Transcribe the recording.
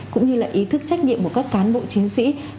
cũng như là ý thức trách nhiệm của các cán bộ chiến sĩ